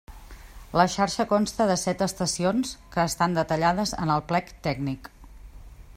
La xarxa consta de set estacions, que estan detallades en el plec tècnic.